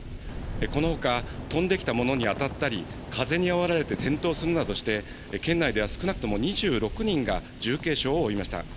このほか、飛んできたものに当たったり、風にあおられて転倒するなどして、県内では少なくとも２６人が重軽傷を負いました。